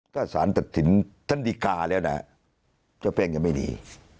ถ้าศาลตัดสินท่านดีกาแล้วนะเจ้าแป้งจะไม่หนี